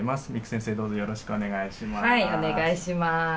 先生、どうぞよろしくお願いします。